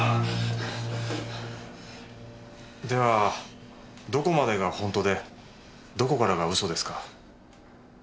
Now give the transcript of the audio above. ではどこまでが本当でどこからがうそですか？